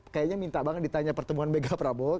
kayaknya minta banget ditanya pertemuan mega prabowo